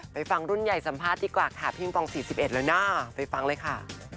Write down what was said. ฟังรุ่นใหญ่สัมภาษณ์ดีกว่าค่ะพี่อิงปอง๔๑แล้วนะไปฟังเลยค่ะ